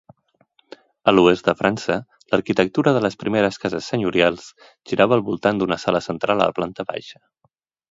A l'oest de França, l'arquitectura de les primeres cases senyorials girava al voltant d'una sala central a la planta baixa.